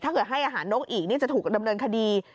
ถ้าเกิดให้อาหารนกอีกนี่จะถูกดำเนินคดี